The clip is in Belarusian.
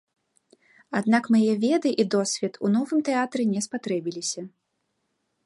Аднак мае веды і досвед у новым тэатры не спатрэбіліся.